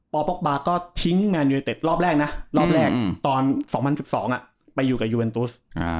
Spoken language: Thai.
ปป๊อกบาร์ก็ทิ้งงานยูเนเต็ดรอบแรกนะรอบแรกตอน๒๐๑๒ไปอยู่กับยูเอ็นตุส